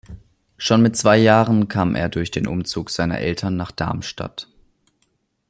Schon mit zwei Jahren kam er durch den Umzug seiner Eltern nach Darmstadt.